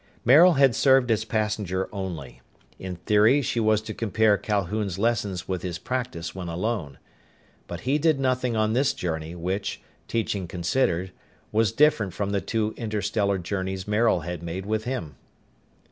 Maril had served as passenger only. In theory she was to compare Calhoun's lessons with his practise when alone. But he did nothing on this journey which, teaching considered, was different from the two interstellar journeys Maril had made with him.